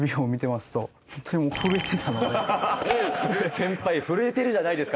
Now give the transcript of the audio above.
先輩震えてるじゃないですか！